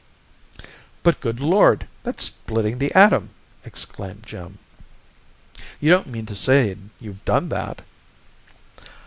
"But, good Lord that's splitting the atom!" exclaimed Jim. "You don't mean to say you've done that?"